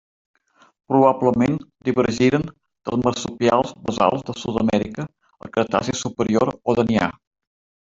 Probablement divergiren dels marsupials basals de Sud-amèrica al Cretaci superior o Danià.